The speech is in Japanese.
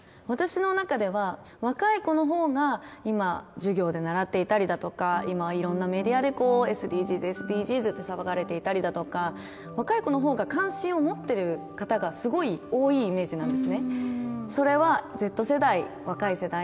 私の中では若い子の方が今授業で習っていたりだとか今いろんなメディアでこうＳＤＧｓＳＤＧｓって騒がれていたりだとか若い子の方が関心を持ってる方がすごい多いイメージなんですね